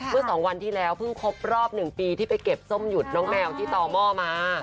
เมื่อ๒วันที่แล้วเพิ่งครบรอบ๑ปีที่ไปเก็บส้มหยุดน้องแมวที่ต่อหม้อมา